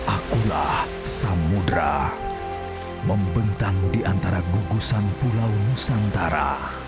akulah samudera membentang di antara gugusan pulau nusantara